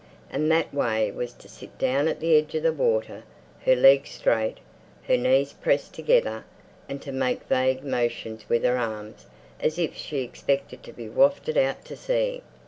And that way was to sit down at the edge of the water, her legs straight, her knees pressed together, and to make vague motions with her arms as if she expected to be wafted out to sea.